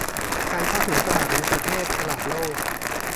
ในการเข้าถึงตลาดในประเทศ ตลาดโลก